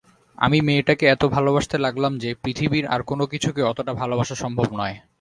আমি মেয়েটাকে এত ভালোবাসতে লাগলাম যে, পৃথিবীর আর কোনোকিছুকে অতটা ভালোবাসা সম্ভব নয়।